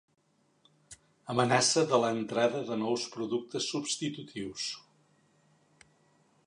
Amenaça de l'entrada de nous productes substitutius.